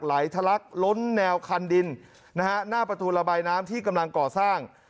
ไหลทะลักล้นแนวคันดินนะฮะหน้าประตูระบายน้ำที่กำลังก่อสร้าง